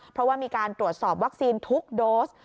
เพราะว่ามีการตรวจสอบวัคซีนทุกโดส